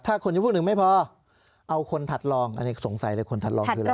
ถ้าคนจะพูดถึงไม่พอเอาคนถัดลองอันนี้สงสัยเลยคนถัดลองคืออะไร